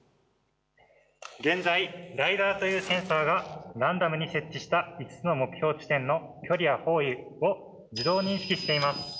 現在ＬｉＤＡＲというセンサーがランダムに設置した５つの目標地点の距離や方位を自動認識しています。